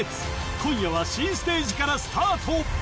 今夜は新ステージからスタート！